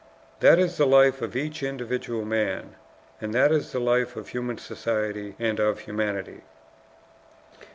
That is the life of each individual man, and that is the life of human societies and of humanity.